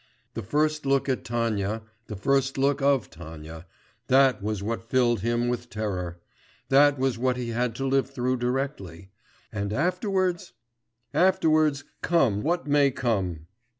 '... The first look at Tanya, the first look of Tanya ... that was what filled him with terror ... that was what he had to live through directly.... And afterwards? Afterwards ... come, what may come!...